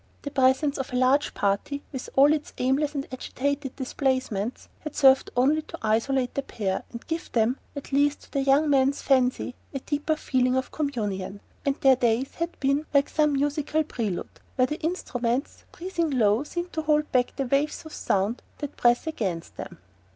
The presence of a large party, with all its aimless and agitated displacements, had served only to isolate the pair and give them (at least to the young man's fancy) a deeper feeling of communion, and their days there had been like some musical prelude, where the instruments, breathing low, seem to hold back the waves of sound that press against them.